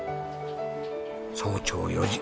早朝４時。